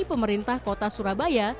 pemerintah kota surabaya